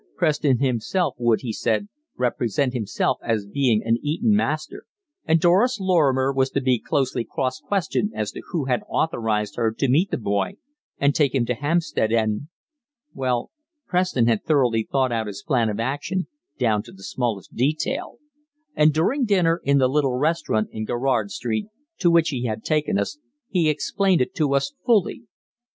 Preston himself would, he said, represent himself as being an Eton master, and Doris Lorrimer was to be closely cross questioned as to who had authorized her to meet the boy and take him to Hampstead and Well, Preston had thoroughly thought out his plan of action down to the smallest detail, and during dinner in the little restaurant in Gerrard Street, to which he had taken us, he explained it to us fully.